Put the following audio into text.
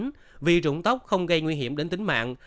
chính vì rụng tóc không gây nguy hiểm đến tính mạng